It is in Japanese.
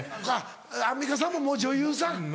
あっアンミカさんももう女優さん？